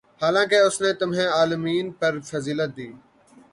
حالانکہ اس نے تمہیں عالمین پر فضیلت دی ہے